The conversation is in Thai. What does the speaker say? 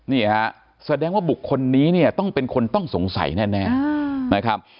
นี่ฮะแสดงว่าบุคคลนี้เนี่ยต้องเป็นคนต้องสงสัยแน่นะครับ